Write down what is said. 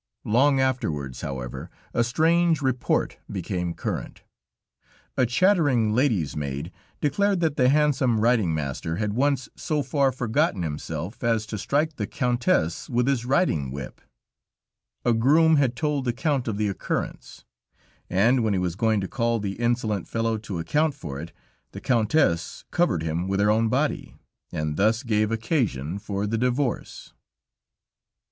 Long afterwards, however, a strange report became current. A chattering lady's maid declared that the handsome riding master had once so far forgotten himself as to strike the Countess with his riding whip; a groom had told the Count of the occurrence, and when he was going to call the insolent fellow to account for it, the Countess covered him with her own body, and thus gave occasion for the divorce.